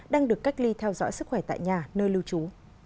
đang được cách ly theo dõi sức khỏe tại nhà nơi lưu trú